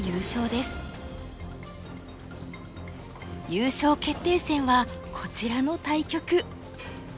優勝決定戦はこちらの対局。